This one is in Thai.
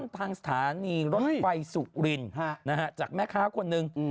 ทางสถานีรถไฟสุรินจากแม่ค้าคนหนึ่ง